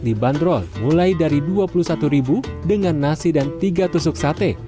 dibanderol mulai dari rp dua puluh satu dengan nasi dan tiga tusuk sate